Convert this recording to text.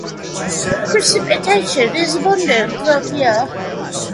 Precipitation is abundant throughout the year.